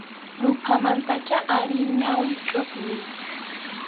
Ruphaymantach ari ñawiymi chʼuqñi.